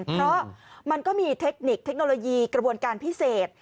เพราะมันก็มีเทคนิคเทคโนโลยีกระบวนการพิเศษ